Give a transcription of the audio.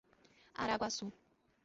Araguaçu